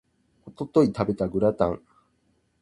一昨日食べたグラタン